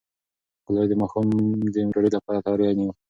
ګلالۍ د ماښام د ډوډۍ لپاره تیاری نیوه.